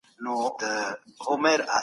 د اسلام دین د نړۍ دپاره د سولي پيغام دی.